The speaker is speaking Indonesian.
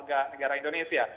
sebagai negara indonesia